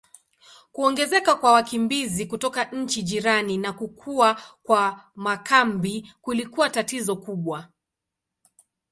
Kuongezeka kwa wakimbizi kutoka nchi jirani na kukua kwa makambi kulikuwa tatizo kubwa.